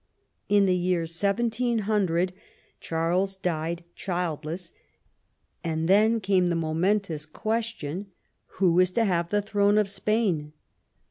In the year 1700 Charles died childless, and then came the momentous question — Who is to have the throne of Spain?